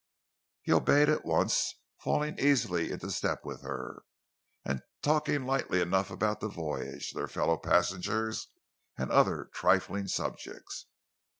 He obeyed at once, falling easily into step with her, and talking lightly enough about the voyage, their fellow passengers, and other trifling subjects.